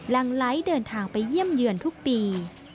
หลังไลค์เดินทางไปเยี่ยมเยือนทุกปี